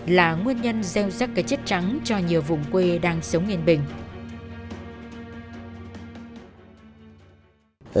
là nguyên nhân gieo sắc cái chất trắng cho nhiều vùng quê đang sống yên bình